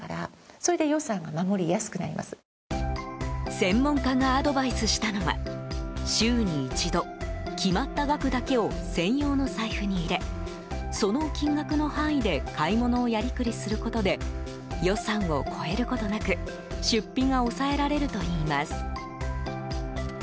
専門家がアドバイスしたのは週に一度、決まった額だけを専用の財布に入れその金額の範囲で買い物をやりくりすることで予算を超えることなく出費が抑えられるといいます。